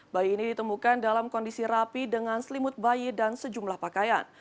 bayi ini ditemukan dalam kondisi rapi dengan selimut bayi dan sejumlah pakaian